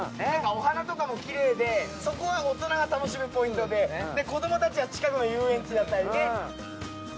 お花とかもきれいで、そこは大人が楽しむポイントで、子どもたちは近くの遊園地だったりね。